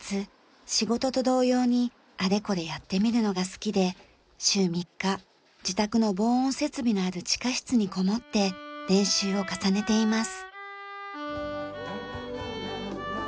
仕事と同様にあれこれやってみるのが好きで週３日自宅の防音設備のある地下室にこもって練習を重ねています。